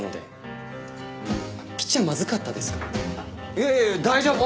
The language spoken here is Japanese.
いやいやいや大丈夫！